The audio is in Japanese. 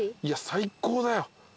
いや最高だよ。